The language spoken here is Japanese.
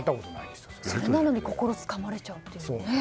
それなのに心をつかまれちゃうというね。